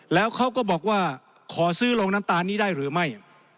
แล้วเขาก็บอกว่าขอซื้อโรงน้ำตาลนี้ได้หรือไม่